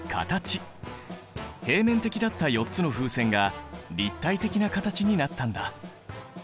平面的だった４つの風船が立体的な形になったんだ。